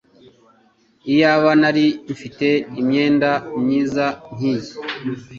Iyaba nari mfite imyenda myiza nkiyi!